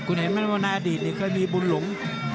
คุณเห็นมั้ยว่าในอดีตนี้เคยมีบุญหลง